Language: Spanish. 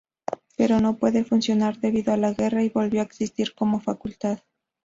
Pero no puede funcionar debido a la guerra y volvió a existir como facultad.